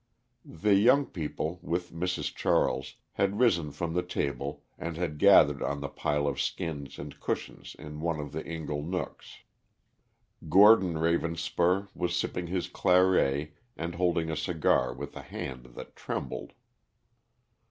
The young people, with Mrs. Charles, had risen from the table and had gathered on the pile of skins and cushions in one of the ingle nooks. Gordon Ravenspur was sipping his claret and holding a cigar with a hand that trembled.